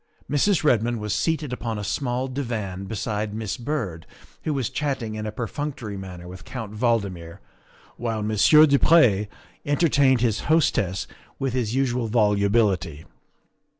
Mrs. Redmond was seated upon a small divan beside Miss Byrd, who was chatting in a perfunctory manner with Count Valdmir, while Monsieur du Pre entertained his hostess with his usual volubility.